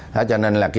thế cho nên là